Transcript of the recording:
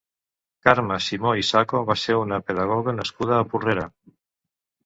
Carme Simó i Saco va ser una pedagoga nascuda a Porrera.